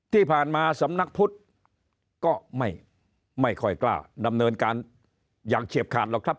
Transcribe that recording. ที่ผ่านมาสำนักพุทธก็ไม่ค่อยกล้าดำเนินการอย่างเฉียบขาดหรอกครับ